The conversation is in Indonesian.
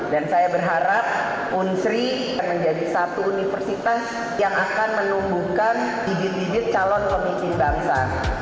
dan saya berharap unsri menjadi satu universitas yang akan menumbuhkan bibit bibit calon pemikir bangsa